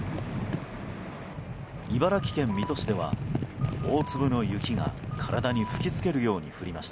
茨城県水戸市では大粒の雪が体に吹き付けるように降りました。